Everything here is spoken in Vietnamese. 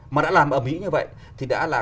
mà đã làm ở mỹ như vậy thì đã là